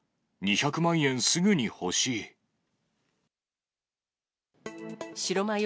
２００万円、すぐに欲しい。